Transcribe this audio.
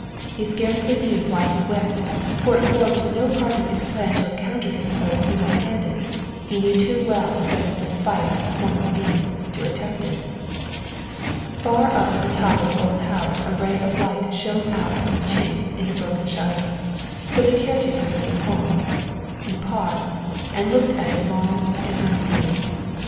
He scarcely knew why he went, for it formed no part of his plan to encounter his foe single handed; he knew too well the desperate fight of cornered beasts to at tempt it. Far up in the top of the old house a ray of light shone out from a chink in the broken shutter. So the caretaker was at home. He paused and looked at it long and earnestly.